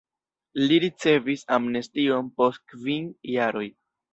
Li ricevis amnestion post kvin jaroj.